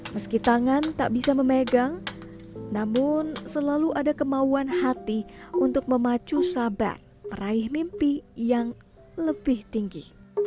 meski tangan tak bisa memegang namun selalu ada kemauan hati untuk memacu sabar meraih mimpi yang lebih tinggi